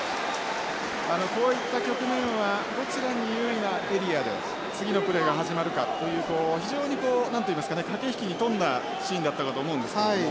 こういった局面はどちらに有利なエリアで次のプレーが始まるかという非常にこう何といいますかね駆け引きに富んだシーンだったかと思うんですけれども。